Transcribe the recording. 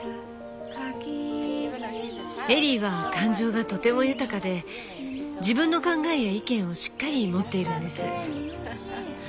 エリーは感情がとても豊かで自分の考えや意見をしっかり持っているんです。